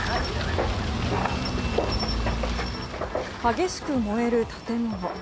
激しく燃える建物。